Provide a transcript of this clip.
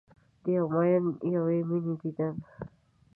د یو میین یوې میینې دیدن